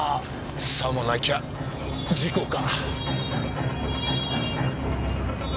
さもなきゃ事故か。